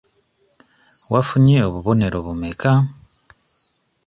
Wafunye obubonero bumeka?